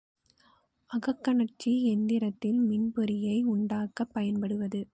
அகக்கனற்சி எந்திரத்தில் மின்பொறியை உண்டாக்கப் பயன்படுவது.